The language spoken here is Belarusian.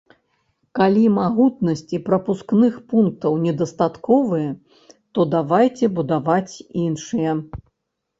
Калі магутнасці прапускных пунктаў недастатковыя, то давайце будаваць іншыя.